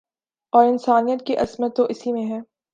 اور انسانیت کی عظمت تو اسی میں ہے